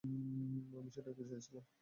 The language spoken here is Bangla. আমি সেটাই তো চেয়েছিলাম।